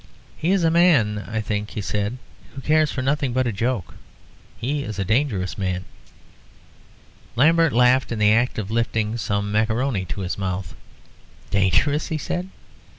"He is a man, I think," he said, "who cares for nothing but a joke. He is a dangerous man." Lambert laughed in the act of lifting some maccaroni to his mouth. "Dangerous!" he said.